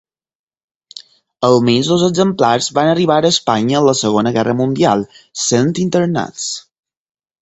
Almenys dos exemplars van arribar a Espanya en la Segona Guerra Mundial, sent internats.